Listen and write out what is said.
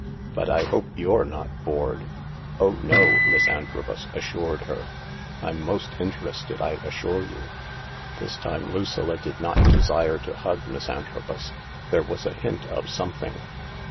But I hope you're not bored ?"^ "Oh no," Miss Antrobus assured her. "I'm most interested, I assure you." This time Lucilla did not desire to hug Miss Antrobus. There was a hint of something.